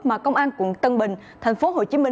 mà công an quận tân bình tp hcm